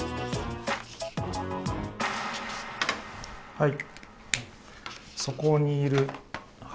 はい。